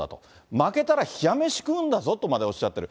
負けたら冷や飯食うんだぞとまでおっしゃってる。